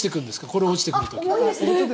これが落ちてくる時。